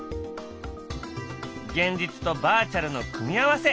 現実とバーチャルの組み合わせ。